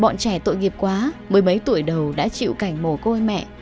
bọn trẻ tội nghiệp quá mới mấy tuổi đầu đã chịu cảnh mồ côi mẹ